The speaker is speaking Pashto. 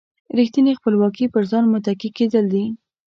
ریښتینې خپلواکي پر ځان متکي کېدل دي.